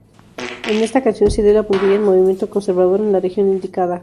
En esta acción se dio la puntilla al movimiento conservador, en la región indicada.